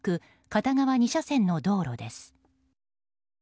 片側２車線の道路です。